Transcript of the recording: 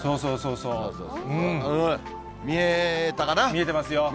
見えてますよ。